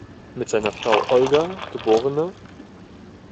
Mit seiner Frau "Olga geb.